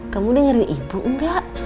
kamu udah nyari ibu enggak